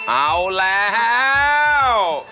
เอาแล้ว